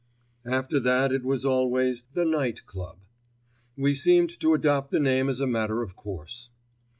After that it was always "The Night Club." We seemed to adopt the name as a matter of course.